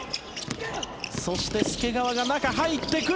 そして、介川が中、入ってくる！